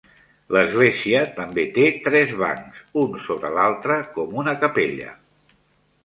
L"església també té tres bancs un sobre l"altre, com una capella.